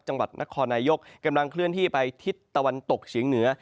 จังหวัดนครนายกกำลังเคลื่อนที่ไปทิศตะวันตกเฉียงเหนือ